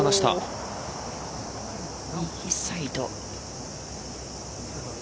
右サイド。